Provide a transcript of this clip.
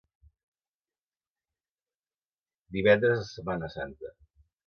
Divendres de Setmana Santa.